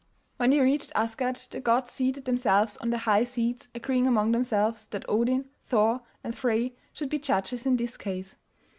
When they reached Asgard the gods seated themselves on their high seats agreeing among themselves that Odin, Thor and Frey should be judges in this case.